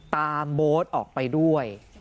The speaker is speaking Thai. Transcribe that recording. โบ๊ทออกไปด้วย